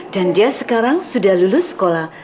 dan dia sekarang sudah lulus sekolah